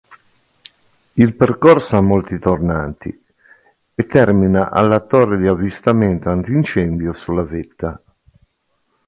Il percorso ha molti tornanti e termina alla torre di avvistamento antincendio sulla vetta.